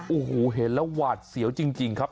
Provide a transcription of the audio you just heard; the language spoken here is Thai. โอ้โหเห็นแล้วหวาดเสียวจริงครับ